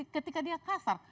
ketika dia kasar